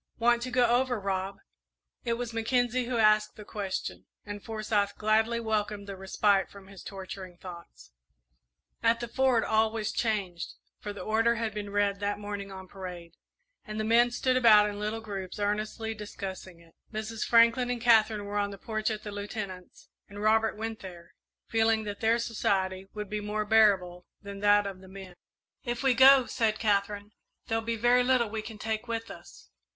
"Want to go over, Rob?" It was Mackenzie who asked the question, and Forsyth gladly welcomed the respite from his torturing thoughts. At the Fort all was changed, for the order had been read that morning on parade, and the men stood about in little groups earnestly discussing it. Mrs. Franklin and Katherine were on the porch at the Lieutenant's, and Robert went there, feeling that their society would be more bearable than that of the men. "If we go," said Katherine, "there'll be very little we can take with us."